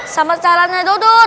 sama caranya dut dut